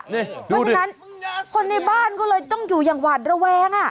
เพราะฉะนั้นคนในบ้านก็เลยต้องอยู่อย่างหวาดระแวง